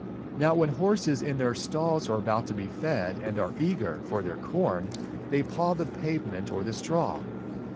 Now when horses in their stalls are about to be fed and are eager for their corn, they paw the pavement or the straw.